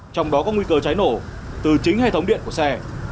trong đó có nguy cơ cháy nổ từ chính hệ thống điện của xe